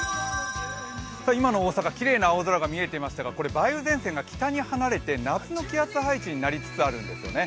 今の大阪、きれいな青空が見えていましたが梅雨前線が北に離れて夏の気圧配置になりつつあるんですよね。